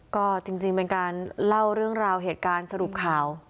ก็จริงเป็นการเล่าเรื่องราวเหตุการณ์สรุปข่าว